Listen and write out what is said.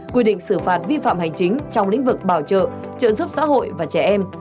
quy định xử phạt vi phạm hành chính trong lĩnh vực bảo trợ trợ giúp xã hội và trẻ em